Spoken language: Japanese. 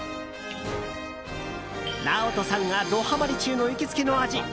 ＮＡＯＴＯさんがドはまり中の行きつけの味